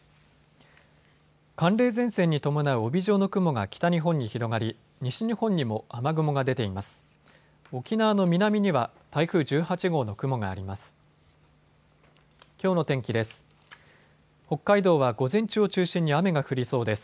寒冷前線に伴う帯状の雲が北日本に広がり、西日本にも雨雲が出ています。